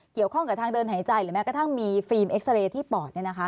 เกี่ยวข้องกับทางเดินหายใจหรือแม้กระทั่งมีฟิล์มเอ็กซาเรย์ที่ปอด